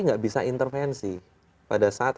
nggak bisa intervensi pada saat